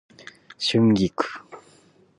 春菊